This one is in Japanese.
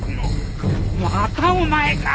またお前か！？